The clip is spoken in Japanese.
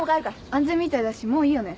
安全みたいだしもういいよね。